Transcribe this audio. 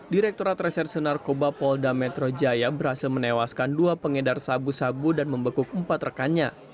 direkturat reserse narkoba polda metro jaya berhasil menewaskan dua pengedar sabu sabu dan membekuk empat rekannya